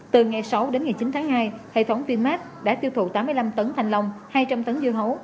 từ ngày sáu đến ngày chín tháng hai hệ thống vinmart đã tiêu thụ tám mươi năm tấn thanh long hai trăm linh tấn dưa hấu